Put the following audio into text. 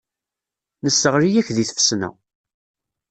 Nesseɣli-ak deg tfesna.